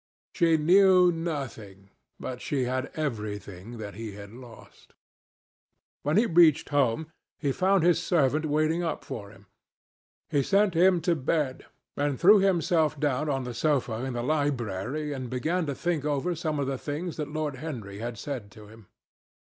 She knew nothing, but she had everything that he had lost. When he reached home, he found his servant waiting up for him. He sent him to bed, and threw himself down on the sofa in the library, and began to think over some of the things that Lord Henry had said to him.